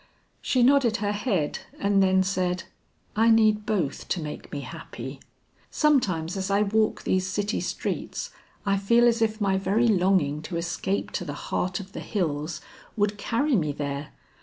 She nodded her head and then said, "I need both to make me happy. Sometimes as I walk these city streets, I feel as if my very longing to escape to the heart of the hills, would carry me there.